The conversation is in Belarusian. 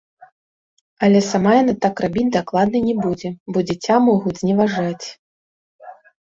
Але сама яна так рабіць дакладна не будзе, бо дзіця могуць зневажаць.